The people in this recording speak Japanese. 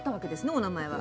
お名前は。